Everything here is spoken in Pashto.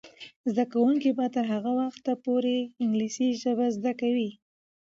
زده کوونکې به تر هغه وخته پورې انګلیسي ژبه زده کوي.